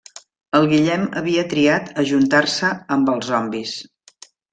El Guillem havia triat ajuntar-se amb els zombis.